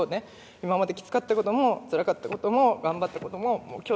今まできつかったこともつらかったことも頑張ったことも今日で終わりやん。